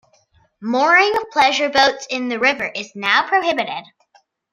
Mooring of pleasure boats in the river is now prohibited.